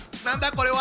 これは。